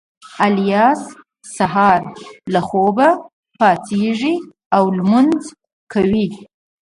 الیاس سهار له خوبه پاڅېږي او لمونځ کوي